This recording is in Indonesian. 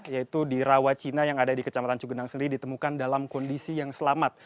yaitu di rawacina yang ada di kecamatan cugenang sendiri ditemukan dalam kondisi yang selamat